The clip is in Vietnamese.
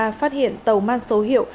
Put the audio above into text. phát hiện tàu mang số hiệu